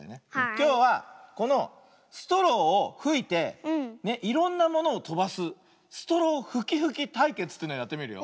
きょうはこのストローをふいていろんなものをとばす「ストローふきふきたいけつ」というのをやってみるよ。